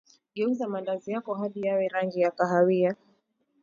geuza maandazi yako hadi yawe na rangi ya kahawia